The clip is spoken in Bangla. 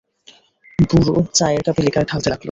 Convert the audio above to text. বুড়ো চায়ের কাপে লিকার ঢালতে লাগল।